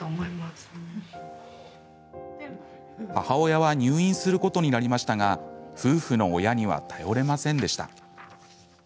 母親は入院することになりましたが夫婦の親には頼れませんでした。